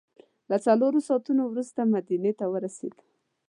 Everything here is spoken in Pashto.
له څلورو ساعتو وروسته مدینې ته ورسېدو.